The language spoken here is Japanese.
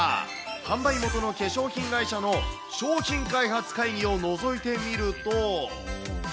販売元の化粧品会社の商品開発会議をのぞいてみると。